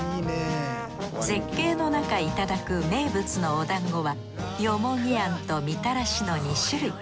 絶景の中いただく名物のおだんごはよもぎあんとみたらしの２種類。